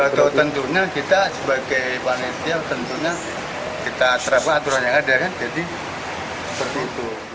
tautan jurnal kita sebagai panitia tentunya kita terapkan aturan yang ada kan jadi seperti itu